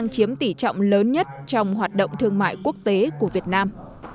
chiếm tỷ trọng lớn nhất trong hoạt động thương mại quốc tế của việt nam